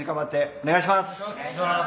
お願いします。